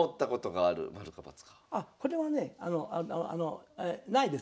あこれはねないです。